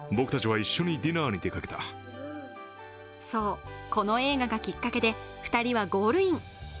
そう、この映画がきっかけで２人はゴールイン。